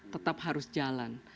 tetap harus jalan